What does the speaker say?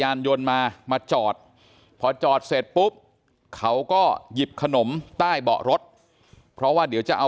ไปทำแผนจุดเริ่มต้นที่เข้ามาที่บ่อนที่พระราม๓ซอย๖๖เลยนะครับทุกผู้ชมครับ